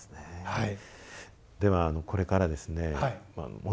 はい。